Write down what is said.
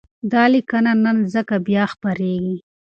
دا لیکنه نن ځکه بیا خپرېږي،